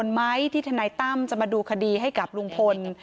ไหมที่ทนายตั้มจะมาดูคดีให้กับลุงพล